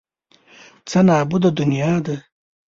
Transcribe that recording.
څه نابوده دنیا ده.